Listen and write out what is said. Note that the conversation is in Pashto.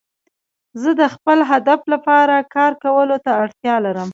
زه د خپل هدف لپاره کار کولو ته اړتیا لرم.